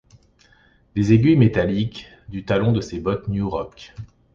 Les aiguilles métalliques du talon de ses bottes New Rock.